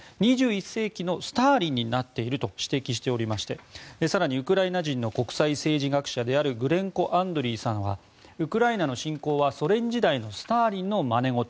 ２１世紀のスターリンになっていると指摘しておりまして更にウクライナ人の国際政治学者であるグレンコ・アンドリーさんはウクライナの侵攻はソ連時代のスターリンのまね事。